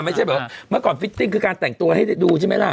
ไม่ใช่แบบว่าเมื่อก่อนฟิตติ้งคือการแต่งตัวให้ดูใช่ไหมล่ะ